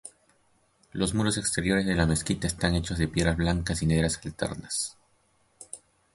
Los muros exteriores de la mezquita están hechos de piedras blancas y negras alternas.